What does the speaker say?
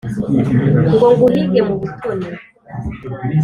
Ngo nguhige mu butoni,